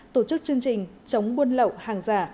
tổ chức chương trình chống buôn lậu hàng giả